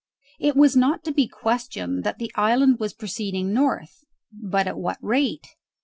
It was not to be questioned that the island was proceeding north, but at what rate?